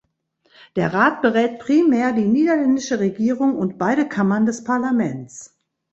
Der Rat berät primär die niederländische Regierung und beide Kammern des Parlaments.